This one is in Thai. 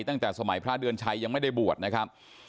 ตั้งแต่สมัยพระเดือนชัยยังไม่ได้บวชนะครับ